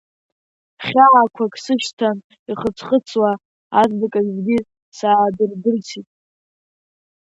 Хьаақәак сышьҭан ихысхысуа, азныказгьы, саадырдысит…